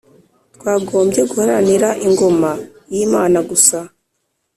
twagombye guharanira ingoma y’imana gusa